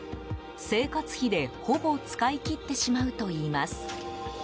生活費でほぼ使い切ってしまうといいます。